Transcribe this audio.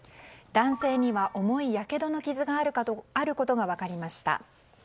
男性には重いやけどの傷があることが分かりました。